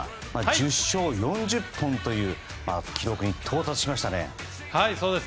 １０勝４０本という記録に到達しましたね。